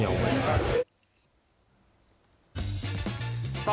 さあ